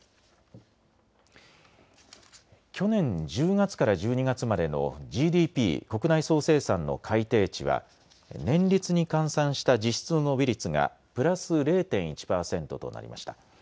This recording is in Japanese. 去年１０月から１２月までのＧＤＰ・国内総生産の改定値は年率に換算した実質の伸び率がプラス０．１％となりました。